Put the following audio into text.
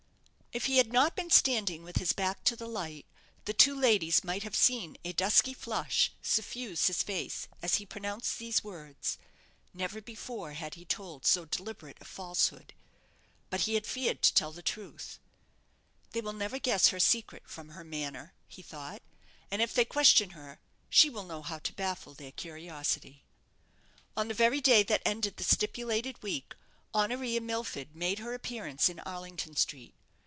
If he had not been standing with his back to the light, the two ladies might have seen a dusky flush suffuse his face as he pronounced these words. Never before had he told so deliberate a falsehood. But he had feared to tell the truth. "They will never guess her secret from her manner," he thought; "and if they question her, she will know how to baffle their curiosity." On the very day that ended the stipulated week, Honoria Milford made her appearance in Arlington Street.